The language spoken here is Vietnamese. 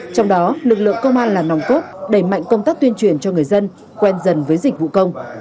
trong đó lực lượng công an là nòng cốt đẩy mạnh công tác tuyên truyền cho người dân quen dần với dịch vụ công